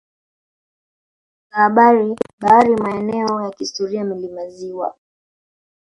za bahari maeneo ya kihistoria milima maziwa